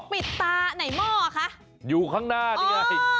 ปิดตาไหนหม้อคะอยู่ข้างหน้านี่ไง